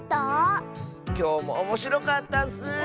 きょうもおもしろかったッス！